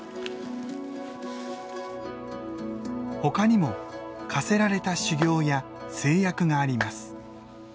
ほかにも課せられた修行や制約があります。